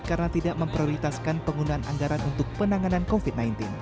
karena tidak memprioritaskan penggunaan anggaran untuk penanganan covid sembilan belas